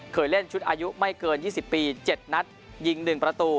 เคยเล่นชุดอายุไม่เกินยี่สิบปีเจ็ดนัดยิงหนึ่งประตู